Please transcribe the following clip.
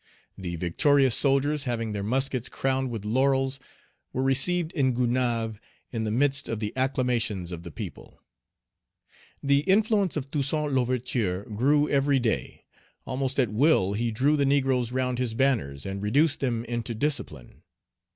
The victorious soldiers, having their muskets crowned with laurels, were received in Gonaïves in the midst of the acclamations of the people. The influence of Toussaint L'Ouverture grew every day. Almost at will, he drew the negroes round his banners, and reduced them into discipline.